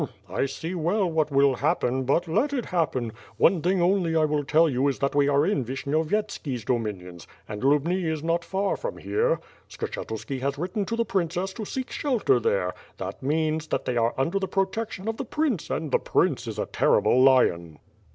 "llm! I see well what will happen, but let it happen! One thing only I will tell you that we are in Vishnyovyetski's do minions, and Lubni is not far from here. Skshetuski has written to the princess to seek shelter there, that means, that they are under the protection of the prince an^ the prince is a terrible lion."